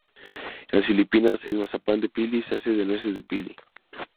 En las Filipinas, el "mazapán de pili" se hace de nueces de pili.